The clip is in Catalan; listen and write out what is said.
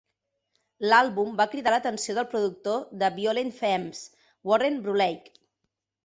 L'àlbum va cridar l'atenció del productor de Violent Femmes, Warren Bruleigh.